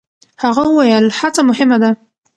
هغه وویل، هڅه مهمه ده.